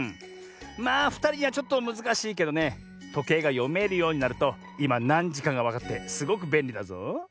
まあふたりにはちょっとむずかしいけどねとけいがよめるようになるといまなんじかがわかってすごくべんりだぞ。